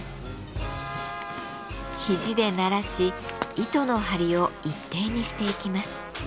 肘でならし糸の張りを一定にしていきます。